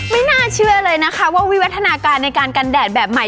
ไม่น่าเชื่อเลยนะคะว่าวิวัฒนาการในการกันแดดแบบใหม่